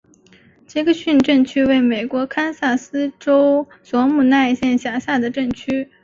杰克逊镇区为美国堪萨斯州索姆奈县辖下的镇区。